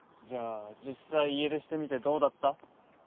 じゃあ実際家出してみてどうだった？